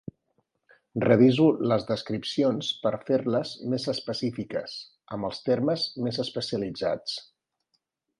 Reviso les descripcions per fer-les més específiques, amb els termes més especialitzats.